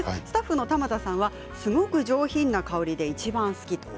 スタッフの玉田さんはすごく上品な香りでいちばん好き。